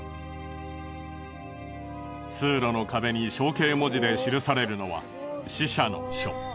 通路の壁に象形文字で記されるのは死者の書。